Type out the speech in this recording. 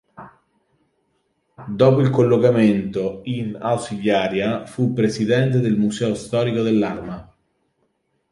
Dopo il collocamento in ausiliaria fu presidente del museo storico dell'Arma.